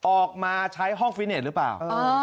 ออกมาใช้ห้องฟิตเน็ตหรือเปล่า